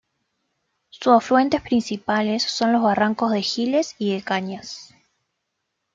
Su afluentes principales son los barrancos de Giles y de Cañas.